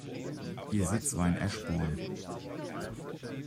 Ihr Sitz war in Eschborn.